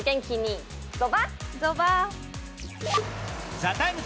「ＴＨＥＴＩＭＥ，」